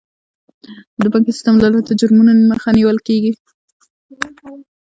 د بانکي سیستم له لارې د جرمونو مخه نیول کیږي.